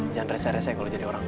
jangan rese rese kalo jadi orang